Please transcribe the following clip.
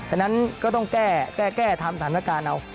อันนั้นก็ต้องแก้ทำสถานการณ์เอา